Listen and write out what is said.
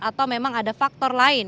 atau memang ada faktor lain